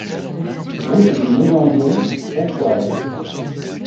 Route de Ménandon, Pontoise